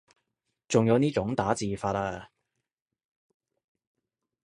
仲有呢種打字法啊